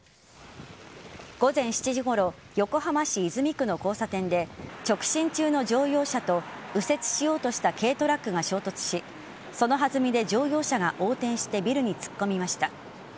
午前７時ごろ横浜市泉区の交差点で直進中の乗用車と右折しようとした軽トラックが衝突しそのはずみで乗用車が横転してビルに突っ込みました。